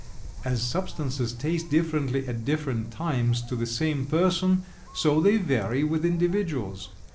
As substances taste differently at different times to the same person, so they vary with individuals.